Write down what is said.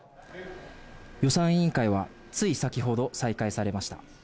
予算委員会は、つい先ほど、再開されました。